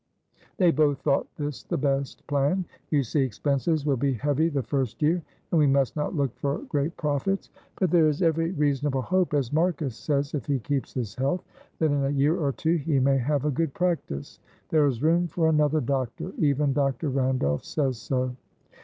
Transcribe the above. They both thought this the best plan. You see, expenses will be heavy the first year, and we must not look for great profits. But there is every reasonable hope, as Marcus says, if he keeps his health, that in a year or two he may have a good practice. There is room for another doctor; even Dr. Randolph says so."